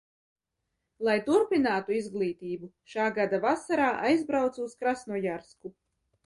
Lai turpinātu izglītību, šā gada vasarā aizbraucu uz Krasnojarsku.